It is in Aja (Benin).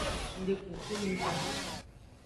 Ngdekuku miva.